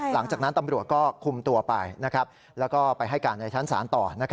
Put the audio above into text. หลังจากนั้นตำรวจก็คุมตัวไปแล้วก็ไปให้การในชั้นศาลต่อ